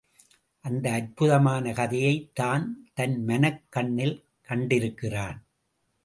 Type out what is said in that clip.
அந்த அற்புதமான கதையைத் தான் தன் மனக் கண்ணில் கண்டிருக்கிறான்.